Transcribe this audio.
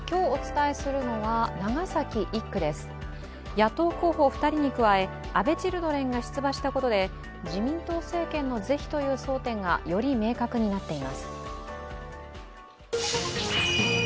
野党候補２人に加え、安倍チルドレンが出馬したことで自民党政権の是非という争点がより明確になっています。